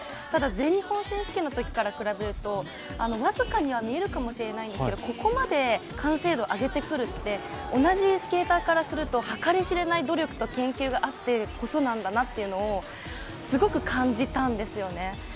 ただ全日本選手権のときから比べると、僅かには見えるかもしれないですけれどもここまで完成度を上げてくるって同じスケーターからするとはかり知れない研究と努力があってこそなんだなとすごく感じたんですよね。